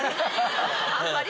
あんまり？